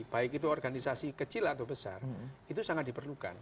baik itu organisasi kecil atau besar itu sangat diperlukan